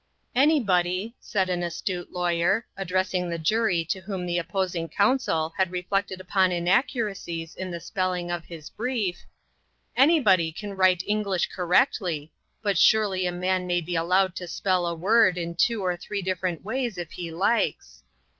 _ "Anybody," said an astute lawyer, addressing the jury to whom the opposing counsel had reflected upon inaccuracies in the spelling of his brief "anybody can write English correctly, but surely a man may be allowed to spell a word in two or three different ways if he likes!"